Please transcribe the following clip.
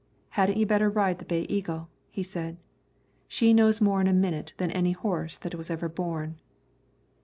"Hadn't you better ride the Bay Eagle?" he said. "She knows more in a minute than any horse that was ever born."